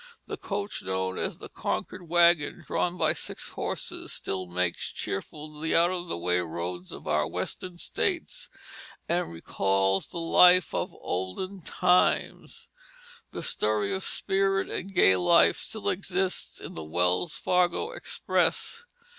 The coach known as the Concord wagon, drawn by six horses, still makes cheerful the out of the way roads of our Western states, and recalls the life of olden times. The story of spirited and gay life still exists in the Wells Fargo Express.